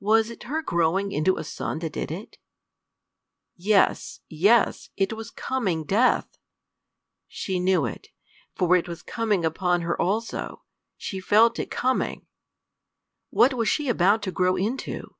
Was it her growing into a sun that did it? Yes! yes! it was coming death! She knew it, for it was coming upon her also! She felt it coming! What was she about to grow into?